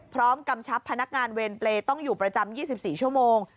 กำชับพนักงานเวรเปรย์ต้องอยู่ประจำ๒๔ชั่วโมง